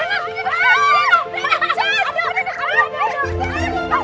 renan renan renan